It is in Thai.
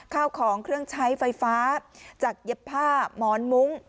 ข้าวของเครื่องใช้ไฟฟ้าจากเย็บผ้าหมอนมุ้ง